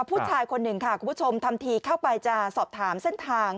ผู้ชายคนหนึ่งค่ะคุณผู้ชมทำทีเข้าไปจะสอบถามเส้นทาง